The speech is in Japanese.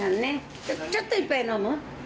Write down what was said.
ちょっと一杯飲む？